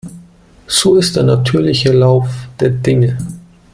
So ist der natürliche Lauf der Dinge.